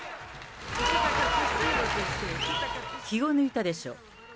気を抜いたでしょ？